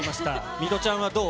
水卜ちゃんはどう？